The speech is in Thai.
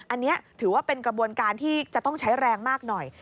อันนี้ถือว่าเป็นกระบวนการที่จะต้องใช้แรงมากหน่อย